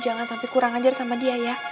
jangan sampai kurang ajar sama dia ya